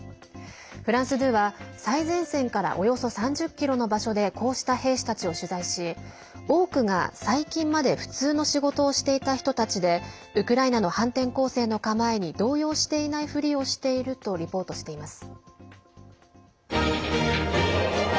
フランス２は最前線からおよそ３０ｋｍの場所でこうした兵士たちを取材し多くが最近まで普通の仕事をしていた人たちでウクライナの反転攻勢の構えに動揺していないふりをしているとリポートしています。